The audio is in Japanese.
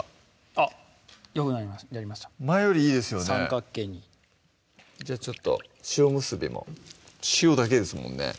あっよくなりました前よりいいですよね三角形にじゃあちょっと塩むすびも塩だけですもんね